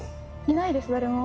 いないです誰も。